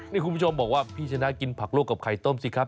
นี่คุณผู้ชมบอกว่าพี่ชนะกินผักโลกกับไข่ต้มสิครับ